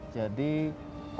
jadi ini baru semua